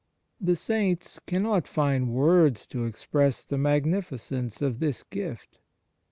The Saints cannot find words to express the magnificence of this gift.